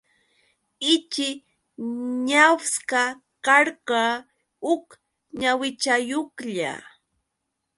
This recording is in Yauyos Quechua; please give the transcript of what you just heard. Ichi ñawsa karqa huk ñawichayuqlla.